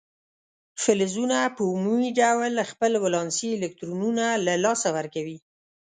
فلزونه په عمومي ډول خپل ولانسي الکترونونه له لاسه ورکوي.